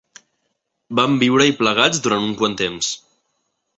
Vam viure-hi plegats durant un quant temps.